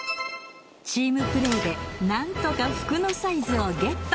チームプレーで何とか服のサイズをゲット。